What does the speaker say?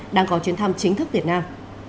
đang có chuyến thăm chính thức việt nam